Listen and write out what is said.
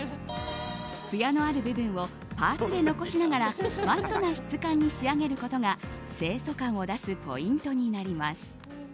つやのある部分をパーツで残しながらマットな質感に仕上げることが清楚感を出すポイントになります。